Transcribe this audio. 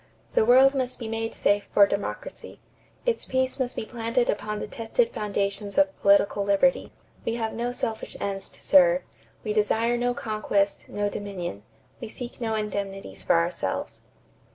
"The world must be made safe for democracy. Its peace must be planted upon the tested foundations of political liberty. We have no selfish ends to serve. We desire no conquest, no dominion. We seek no indemnities for ourselves."